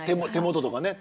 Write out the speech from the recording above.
手元とかね。